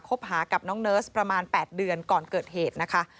หากับน้องเนิร์สประมาณ๘เดือนก่อนเกิดเหตุนะคะ